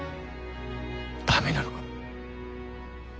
駄目なのが。